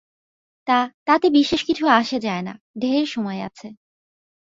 তা, তাতে বিশেষ কিছু আসে যায় না, ঢের সময় আছে।